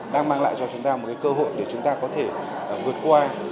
đang mang lại cho chúng ta một cơ hội để chúng ta có thể vượt qua